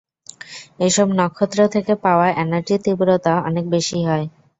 এসব নক্ষত্র থেকে পাওয়া এনার্জির তীব্রতা অনেক বেশি হয়।